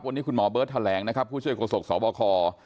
วันนี้คุณหมอเบิร์ตแถลงนะครับผู้ช่วยโศกสบค